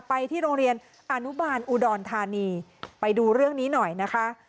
ไปที่โรงเรียนอนุบาลอุดรธานีไปดูเรื่องนี้หน่อยนะคะ